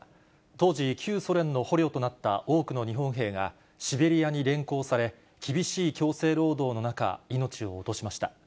当時、旧ソ連の捕虜となった多くの日本兵が、シベリアに連行され、厳しい強制労働の中、命を落としました。